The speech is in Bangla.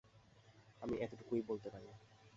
আমি এতটুকুই বলতে পারি।